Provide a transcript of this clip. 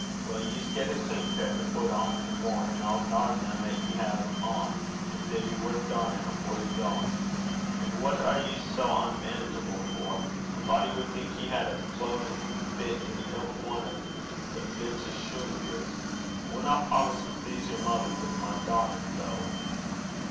'Weel, ye s' get a clean pair to put on the morn, an' I'll darn them 'at ye hae on, gin they be worth darnin', afore ye gang an' what are ye sae camstairie (unmanageable) for? A body wad think ye had a clo'en fit in ilk ane o' thae bits o' shune o' yours. I winna promise to please yer mither wi' my darnin' though.'